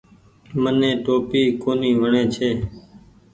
مني ٽوپي ڪونيٚ وڻي ڇي۔